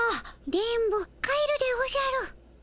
電ボ帰るでおじゃる。